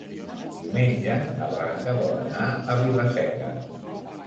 Diumenge na Blanca vol anar a Vila-seca.